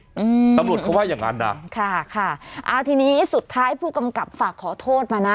อืมตำรวจเขาว่าอย่างงั้นนะค่ะค่ะอ่าทีนี้สุดท้ายผู้กำกับฝากขอโทษมานะ